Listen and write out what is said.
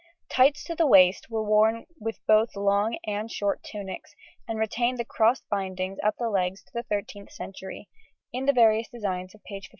] Tights to the waist were worn with both long and short tunics, and retained the crossed binding up the legs to the 13th century, in the various designs of page 53.